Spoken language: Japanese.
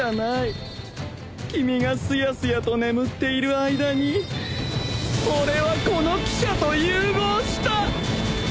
君がすやすやと眠っている間に俺はこの汽車と融合した！